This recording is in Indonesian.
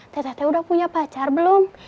teh teh udah punya pacar belum